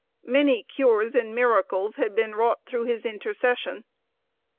Many cures and miracles had been wrought through his intercession.